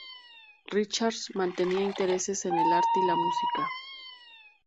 Richards mantenía intereses en el arte y la música.